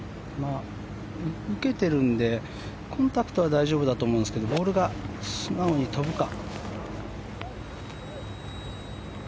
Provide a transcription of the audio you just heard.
受けてるのでコンタクトは大丈夫だと思うんですけどボールが素直に飛ぶか。